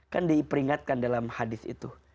kan diperingatkan dalam hadis itu